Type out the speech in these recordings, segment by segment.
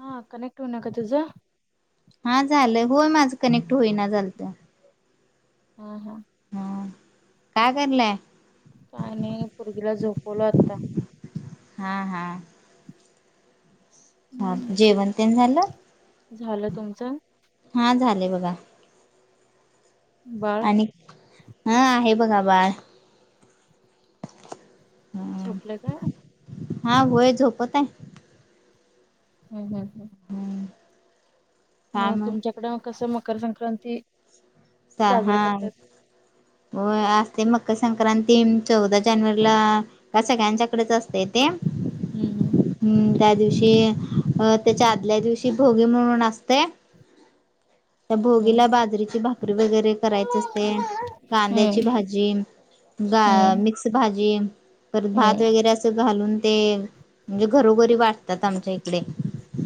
हा कनेक्ट होइना का तुझ? हा झालंय. होय माझं कनेक्ट होईना झालत. हा हा. हा, काय करलाय? काय नाही पुरगीला झोपवलो आता. हा हा. हा हम्म, जेवणतेन झालं? झालं तुमचं हा झाले बघा. बाळ आणि हा आहे बघा बाळ. झोपलं का? हा व्हय झोपत आहे. हम् हम् हम्. मग तुमच्याकडं कसं मकर संक्रांती? सा साजरे हा! करतात व्हय आज ते मकर संक्रांती चौदा जानेवारीला. काय सळ्यांच्याकडेच असतय त्या हम्म हम्म. हम्म त्या दिवशी अ त्याच्या आदल्या दिवशी भोगी म्हणून असतय. [inaudible] त्या हम्म भोगीला बाजरीची भाक री वगैरे करायच असतंय. कांद्याची हम्म. भाजी गा हम्म हम्म मिक्स भाजी पर भात हम्म वगैरे असं घालून ते म्हणजे घरोघरी वाटतात आमच्या इकडे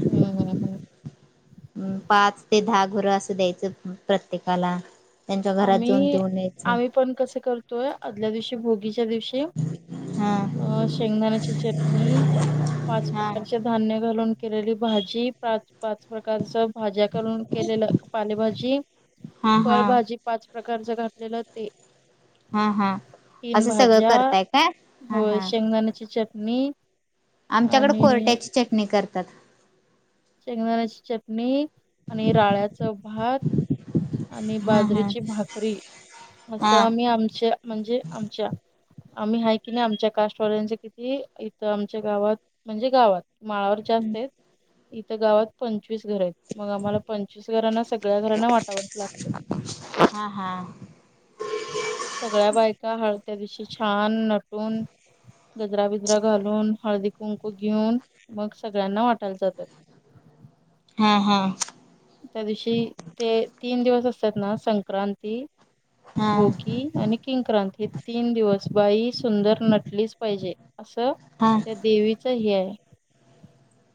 हम्म हम् हम्म पाच ते दहा घरं असं द्यायचं प्रत्येकाला त्यांच्या आ घरात जाऊन मी देऊन यायचं आम्ही पण कस करतोय आदल्या दिवशी भोगीच्या दिवशी हा अ शेंगदाण्याची च नी पाच हा प्रकारचे धान्य घालून केलेली भाजी पाच पाच प्रकारचं भाज्या करून केलेलं पालेभाजी हा हा फळभाजी पाच प्रकारचं घातलेलं ते हा हा तीन असं सगळं भाज्या करताय काय हा होय हा शेंगदाण्याची चटणी आमच्याकडं आणि कोरट्याची चटणी करतात. शेंगदाण्याची चटणी आणि राळ्याचं भात आणि हा हा बाजरीची भाकरी असं हा आम्ही आमच्या म्हणजे आमच्या आम्ही आहे की नाही आमच्या कास्टवाल्यांच किती इथं आमच्या गावात म्हणजे गावात माळावर जास्त हेत. इथं गावात पंचवीस घर आहेत मग आम्हाला पंचवीस घरांना सगळ्या घरांना वाटावच लागतं हा हा सगळ्या बायका हळत्या दिवशी छान नटून गजरा बिजरा घालून हळदी कुंकू घेऊन मग सगळ्यांना वाटायला जातात. हं हा त्या दिवशी ते तीन दिवस असतात ना संक्रांती हा भोगी आणि किंक्रांत हे तीन दिवस बाई सुंदर नटलीचं पाहिजे असं हां त्या देवीचं हे आहे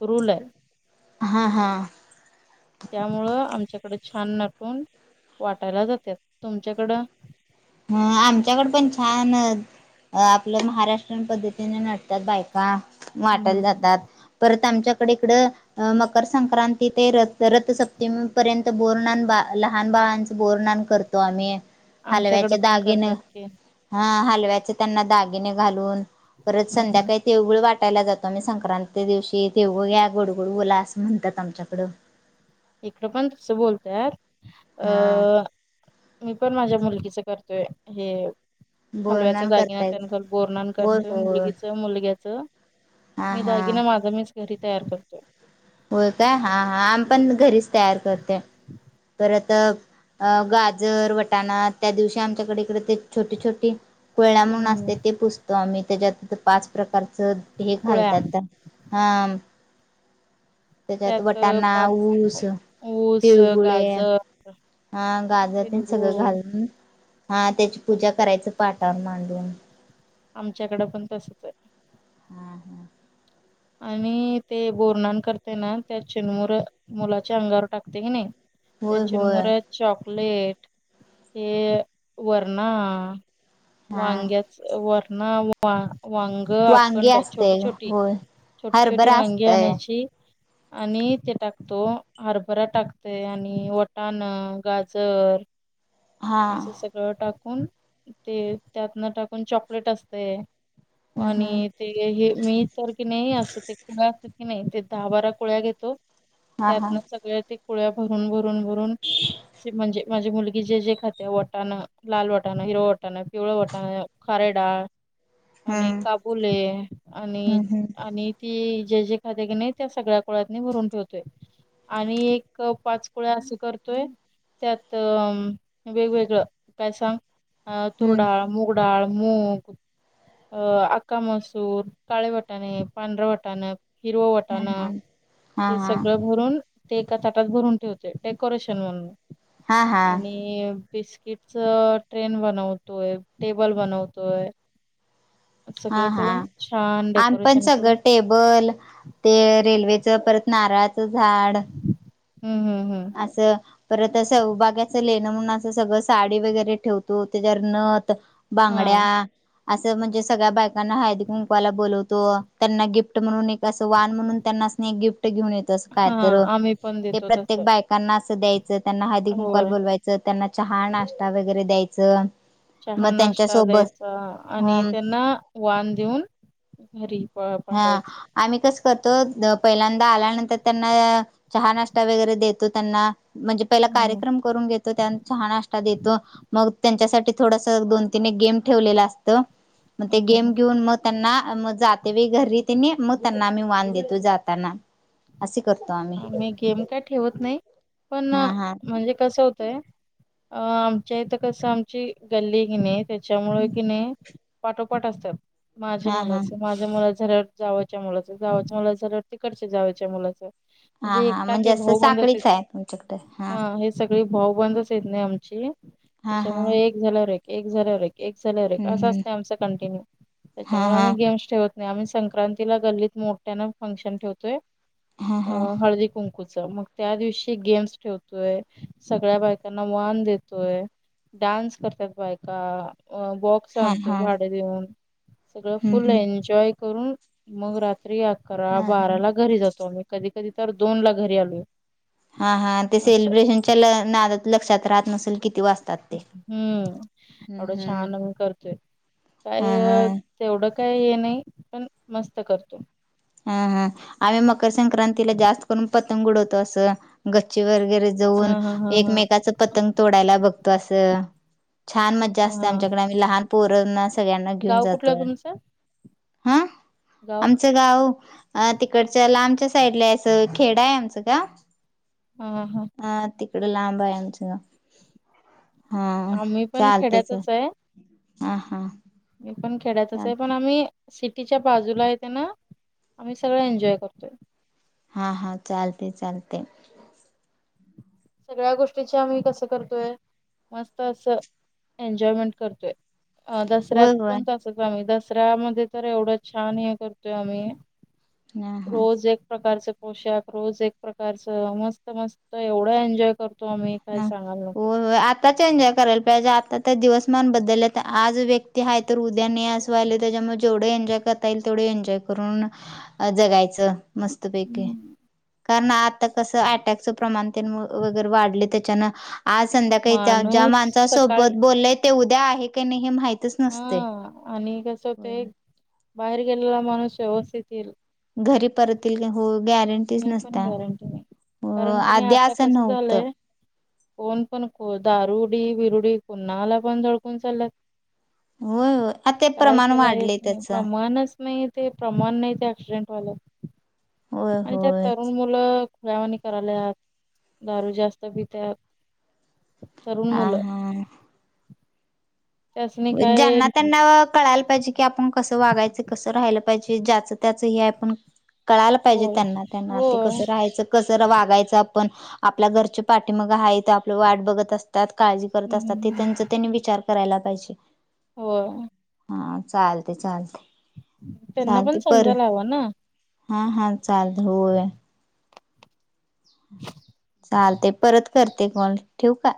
रूल आहे. हा हां त्यामुळं आमच्याकडं छान नाटून वाटायला जात्यात तुमच्याकडं हं आमच्याकडं पण छान अ आपलं महाराष्ट्रन पद्धतीने नटतात बायका हम् हम् वाटायला हम जातात. परत आमच्याकडे इकडं अ मकर संक्रांती ते र रथसप्तमी पर्यंत बोरनान बा लहान बाळांच बोरनान करत तो आम्ही आमच्याकडं हलव्याचे दागिने, हा हलव्याचे त्यांना दागिने घालून, परत हम् हम संध्याकाळी तिळगुळ वाटायला जातो, आम्ही संक्रांतीच्या दिवशी तिळगुळ घ्या गडगोड बोला असं म्हणतात आमच्याकडं इकडं पण तसं बोलतय, हा अआ मी, पण माझ्या मुलगीच करतोय हे हलव्याचा बोरनान दागिना करताय त्यां बोर्णन होय करतोय होय मुलगीच, मुलग्याच,, हा मी, हा दागीना माझा मीच, घरी तयार करतो. होय काय, हा हा, आम पण घरीच तयार करते अआ, गाजर वटाणा त्या दिवशी आमच्याकडे इकडे ते, छोटी छोटी कोळा म्हणून हम्म असते ते, पुसतो आम्ही त्याच्यात पाच प्रकारच हे कुळ्या घालतात हा त्याच्यात, त्यात वटाणा पाच ऊस ऊस तिळगुळे गाजर हा, गाजर ते सगळं तिळगुळ घालून हा, त्याची पूजा करायच पाटावर मांडून आमच्याकडं पण तसच आहे,, हम हम् आणि ते, बोरनहन करते ना त्या चिरमुरा मुलाच्या अंगावर टाकते कि नाही त्या होय होय चिरमुरे चॉकलेट हे वरणा हा वांग्या वर्ण वा, वंग वांगी अखंड छोटी असतय छोटी होय छोटी छोटी, हरभरा वांगी असतय आणायची आणि, ते टाकतो, हरभरा टाकतोय आणि वटाण गाजर हा असं सगळं टाकून ते, त्यातन टाकून चॉकलेट असते हम्म हम्म आणि ते हे मी तर, कि नाही, असं ते कुळ्या असं की नाही ते दहा बारा कुळ्या घेतो हा हा त्यातन सगळ्या ते, कुळ्या भरून, भरून, भरून, म्हणजे माझी मुलगी, जे, जे खाते वटाण लाल वाटाण हिरो वाटाण पिवळ वटण खारे डाळ आणि, हम्म काबुले आणि हम्म आणि ती जे जे खाततेे की नाही, त्या सगळ्या कुळ्यातनी भरून ठेवतोय आणि, एक पाच कुळ्या असं करतोय त्यात अ वेगवेगळं, काय सांग अ हम्म तुरडाळ मुगडाळ, मूग, अ आका मसूर, काळे भट्ट आणि पांढरंवटाणं, हिरव वटाणं, हम्म हा हे हा सगळं भरून ते, एका ताटात भरून ठेवते डेकोरेशन म्हणून, हा हा आणि बिस्किट तिथं, ट्रेन बनवतोय, टेबल बनवतोय सगळं हा हा करून छान डेकोरेशन आम्ही पण, सगळं करून टेबल ते रेल्वेच परत नारळाचं झाड हम्म हम्म हम्म असं परत असं, उभा कसा लेणं म्हणून असं सगळं साडी वगैरे ठेवतो, त्याच्यावर नत हा बांगड्या,, असं म्हणजे, सगळ्या बायकांना हळदी कुंकवायला बोलवतो, त्यांना गिफ्ट म्हणून एक असं वान म्हणून त्यांना गिफ्ट घेऊन येत, अस काय हा तर आम्ही पण ते, देतो प्रत्येक प्रत्येक तसं बायकांना असं द्यायचं, त्यांना हळदी होय. कुंकॉल बोलवायचं त्यांना चहा नाश्ता वगैरे द्यायचं चहा मग नाश्ता त्यांच्यासोबत द्यायचा आणि, हम त्यांना वान देऊन घरी हा पाठवायचं. आम्ही कस करतो, पहिल्यांदा आल्यानंतर त्यांना, चहा नाश्ता वगैरे देतो त्यांना म्हणजे पहिला हम्म कार्यक्रम करून घेतो, त्यांना चहा नाष्ट देतो मग त्यांच्यासाठी थोडास दोन, तीन, एक गेम ठेवलेला असत मग ते हम्म गेम हम्म घेऊन मग त्यांना मग जात. तेवेळी घरी त्यानि, मग त्यांना आम्ही वान देतो जाताना असे करतो आम्ही. मी गेम काय ठेवत नाही. पण, हा हा म्हणजे कसं होतंय अ आमच्या इथं कसं आमची गल्ली हाय कनी, त्याच्यामुळे कि नाही. पाठोपाठ असतात. माझ्या हा हा मुलाच. माझं मुला झाल्यावर, जावयच्या मुलाचं, जावच मुला झाल्यावर, तिकडच्या जावयच्या मुलाचं. हा म्हणजे एक हा टाके असं भाऊ बंदच आहेत, साखळीच आहे तुमच्याकडे हा सगळी भाऊ बंदच येत नाही आमची, हा हा त्याच्यामुळे एक झाल्या वर एक, एक झाल्यावर एक एक झाल्यावर एक, हम्म असं हम्म असतंय आमचा कंटिन्यू, हा त्याच्यामुळे हा आम्ही गेम्स ठेवत नाही, आम्ही संक्रांतीला गल्लीत मोठ्यान फंक्शन ठेवतोय, हा हा हळदी कुंक च, मग त्या दिवशी गेम्स ठेवतोय, सगळ्या बायकांना वान देतोय. डान्स करतात बायका, अ बॉक्स हा आणतोय हा भाडे देऊन, सगळं हम्म फुल हम्म एन्जॉय करून, मग रात्री अकरा, हा हा बाराला घरी जातो, मी कधी-कधी तर दोन ला घरी आलोय. हा, हा, ते असं सेलिब्रेशनच्या नादात लक्षात राहत नसेल, किती वाजता. हम्म, एवढं हम्म. छान आम्ही करतोय, हा हा काय तेवढं काय हे नाही, पण मस्त करतो. हा, हा, आम्ही मकर संक्रांतीला जास्त करून पतंग उडवतो, असं गच्छ वगैरे जाऊन, हा हा हा हा एकमेकाच पतंग तोडायला बघतो, असं छान मज्जा असते, हा आमच्याकडे आम्ही लहान पोरना सगळ्यांना घेऊन गाव कुठलं जातो. गावं. च गाव, अ तिकडच्या लांबच्या साईडला असं खेड आहे आमचं गावं. हम्म-हम्म. हा, तिकडं लांब आहे आमचं गावं, हा आम्ही पण चालते चल. खेड्यातच हा-हा हे पण खेड्यातच आहे. पण आम्ही सिटीच्या बाजूला हाय तेन, आम्ही सगळं एन्जॉय करतोय. हा-हा, चालते-चालते. सगळ्या गोष्टीची आम्ही कसं करतोय, मस्त असं एन्जॉयमेंट करतोय. अ दसऱ्यात होय होय पण त आम्ही दसऱ्यामध्ये तर एवढं छान हे करतोय, आम्ही हा हा रोज एक प्रकारच पोशाख, रोज एक प्रकारचं मस्त, मस्त, एवढं एन्जॉय करतो आम्ही. काय हम्म, सांगायला नको हो-हो, आ आत्ताच एन्जॉय करायला पाहिजे, आता दिवसमान बद्दल, आज व्यक्ती हा तर उद्या नाही त्याच्यामुळे जेवढे एन्जॉय करता येईल, तेवढे एन्जॉय करून जगायचं. मस्तपैकी, हम्म. कारण आता कस, अटॅकचं प्रमाण वगैरे वाढले त्याच्यान, आज संध्याकाळी त्या ज्या माणूस सकाळी माणसासोबत बोलले, ते उद्या आहे, की नाही माहित. हा आणि कस होतय, बाहेर गेलेला, माणूस व्यवस्थित येईल घरी परतील येतील हो गॅरंटीच हे पण नसत, गॅरंटी नाही कारण की नाही आधी आता असं कसं नव्हतं. झालंय कोण पण, को दारुडी, विरुडी कून्हाला पण धडकून चालल्यात. होय होय आ ते काय, प्रमाण त्याला वाढलय हेच नाही, त्याचं प्रमाणच नाही, ते प्रमाण नाही, ते ऍक्सिडेंट हॉल्यात. होय आणि त्यात होय तरुण मुलं खुळ्यावानी करायल्यात, दारू जास्त पित्यात तरुण हा मुलं हा त्यासनी काय ज्यांना, त्यांना कळायला पाहिजे, की आपण कसं वागायच, कसं राहायलं पाहिजे, ज्याचं त्याच हे आहे पण कळायला पाहिजे, होय त्यांना त्यांना ते होय कसं हम्म राहायचं कस वागायचं, आपण आपल्या घरची पाठीमागं हायती आपल्या वाट बघत, असं तात काळजी करत असतात, हम्म ते हम्म. त्यांचा त्यांनी विचार करायला पाहिजे. होय हा चालतंय, चालतंय, त्यांना पण चालते पर समजायला हवं ना हा, हा, चालत होय, चालतंय, परत करते फोन ठेऊ का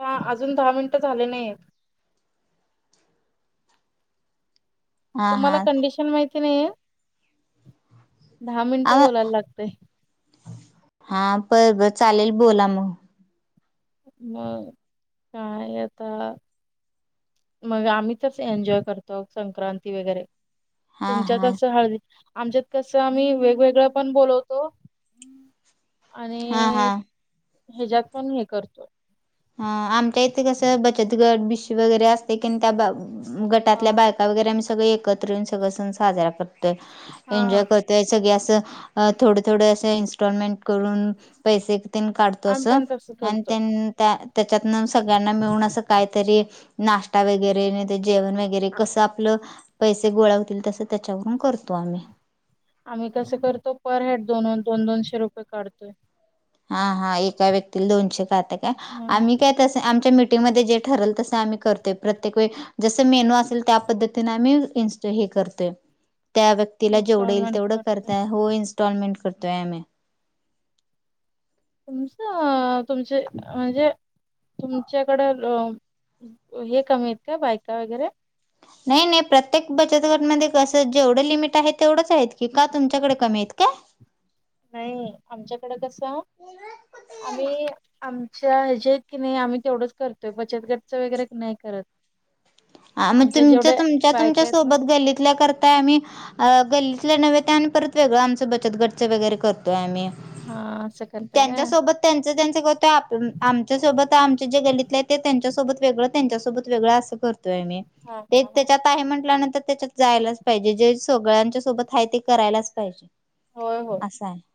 हा, अजून दहा मिनिट झाले, नाहीयेत. हा तुम्हाला हा कंडिशन माहिती नाहीये? दहा मिनिटं बोलायला लागते. हा, बरं बरं चालेल बोला मग मग, काय आता मग, आम्ही तसं एन्जॉय करतो, संक्रांती वगैरे हा हा तुमच्याकसं हळदी आमच्यात कसं, आम्ही वेगवेगळं पण बोलवतो. हा आणि हा हेज्यात पण हे करतो. हा, आमच्या इथे कसं, बचत गट बिशी वगैरे असते, की, नाय त्या हा गटातल्या बाय का वगैरे, आम्ही सगळे एकत्र येऊन सगळं सण साजरा करतोय, हा हा एन्जॉय करतोय सगळे, असं अ थोड थोडे, असे इनस्टॉलमेंट करून पैसे तिनं काढतो, आम्ही असं पण तसं आणि करतो तेन त्याच्यातनं सगळ्यांना मिळून अस काहीतरी नाश्ता वगैरे, नाही तर जेवण वगैरे, कसं आपलं. पैसे गोळा होतील तसं, त्याच्यावरून करतो आम्ही. आम्ही कसं, करतो पर हेड दोन दोन दोनशे रुपये काढतोय. हा, हा, एका व्यक्तीला दोनशे काढता काय, हम्म आम्ही काय तसं, आमच्या मीटिंगमध्ये जे ठरलं. तसं, आम्ही करतोय प्रत्येक वेळी. जसं मेनू असेल, त्या पद्धतीने आम्ही इन्स्ट हे करतोय, त्या तिला, जेवढं येईल इन्स्टॉलमेंट तेवढं करतोय करताय, हो इन्स्टॉलमेंट करतोय आम्ही. तुमचं, अं, तुमचे, म्हणजे, तुमच्याकडे अ हे कमी आहेत, का बायका वगैरे नाही, नाही, प्रत्येक बचत गटमध्ये कसं, जेवढं लिमिट आहे, तेवढंच आहेत, की का तुमच्याकडे कमी आहेत, का? नाही, आमच्याकडे कसं आम्ही आमच्या ह्याच्या आहेत. की नाही, आम्ही तेवढंच करतोय बचत गटचं वगैरे नाही करत. हा, मग आमच्या तुमचे जेवढ्या तुमच्या तुमच्या बायका आहेत ना सोबत गल्लीतल्या कर त आम्ही अ गल्लीतल्या नव्हे, त्या आणि परत वेगळं, आमच बचत गटच वगैरे करतो. हा असं करताय त्यांच्या काय? सोबत त्यांच त्यांच करतोय, आपण आमच्या सोबत आमचे जे गल्लीतले आहे ते त्यांच्यासोबत वेगळं, त्यांच्यासोबत वेगळं असं करत. तोय, आम्ही हा हा ते हा त्याच्यात. आहे. म्हटल्यानंतर त्याच्यात जायलाच पाहिजे जे सगळ्यांच्या सोबत आहे. ते करायलाच पाहिजे. होय होय. असं आहे.